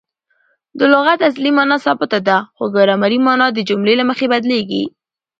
د لغت اصلي مانا ثابته ده؛ خو ګرامري مانا د جملې له مخه بدلیږي.